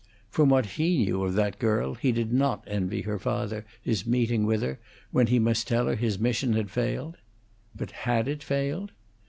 From what he knew of that girl he did not envy her father his meeting with her when he must tell her his mission had failed. But had it failed?